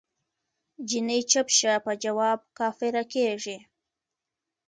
جینی چپ شه په جواب کافره کیږی